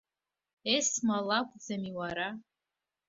Есма лакәӡами уара?